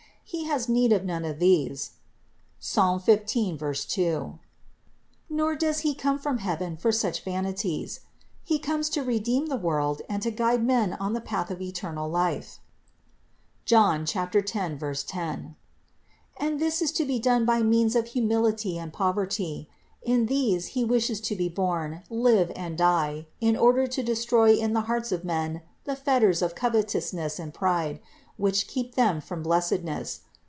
He has need of none of these (Ps. 15, 2), nor does He come from heaven for such vanities. He comes to redeem the world and to guide men on the path of eternal life (John 10, 10) ; and this is to be done by means of humility and poverty; in these He wishes to be born, live and die, in order to destroy in the hearts THE INCARNATION 355 •of men the fetters of covetousness and pride, which keep them from blessedness.